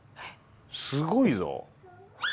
すごいぞ。